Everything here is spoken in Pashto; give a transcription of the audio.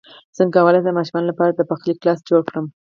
څنګه کولی شم د ماشومانو لپاره د پخلی کلاس جوړ کړم